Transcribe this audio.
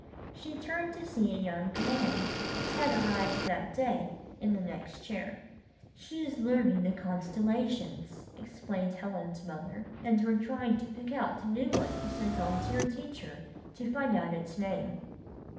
She turned to see a young man, who had arrived that day, in the next chair. *'She is learning the constellations," ex plained Helen's mother. "And we're trying to 40 I found this on. 41 pick out a new one to send home to her teacher to find out its name."